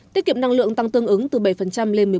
tiết kiệm năng lượng tăng tương ứng từ bảy lên một mươi bốn